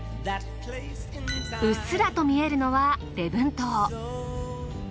うっすらと見えるのは礼文島。